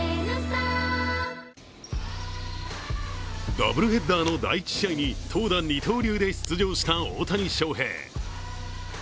ダブルヘッダーの第１試合に投打二刀流で出場した大谷翔平。